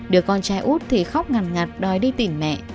đứa con trai út thì khóc ngằm ngặt đòi đi tìm mẹ